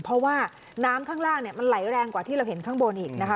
เพราะว่าน้ำข้างล่างเนี่ยมันไหลแรงกว่าที่เราเห็นข้างบนอีกนะคะ